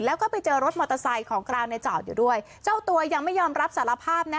แล้วก็ไปเจอรถมอเตอร์ไซค์ของกลางในจอดอยู่ด้วยเจ้าตัวยังไม่ยอมรับสารภาพนะ